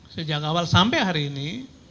sejak awal sampai hari ini